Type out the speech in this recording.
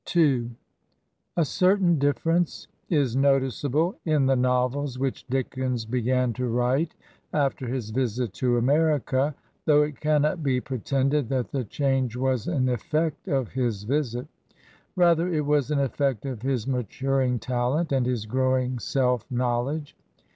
n A certain difference is noticeable in the novels which Dickens began to write after his visit to America, though it cannot be pretended that the change was an effect of his visit. Rather it was an effect of his matur ing talent and his growing self knowledge.